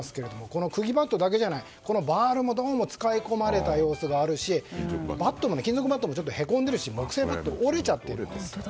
この釘バットだけじゃないこのバールも使い込まれた様子もあるし金属バットもへこんでいるし木製バットは折れちゃってるんです。